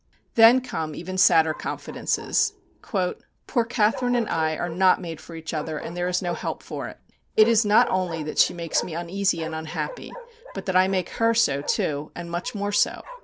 Then come even sadder confidences: "Poor Catherine and I are not made for each other, and there is no help for it. It is not only that she makes me uneasy and unhappy, but that I make her so too, and much more so.